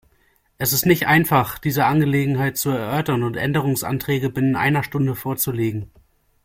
Es ist nicht einfach, diese Angelegenheit zu erörtern und Änderungsanträge binnen einer Stunde vorzulegen.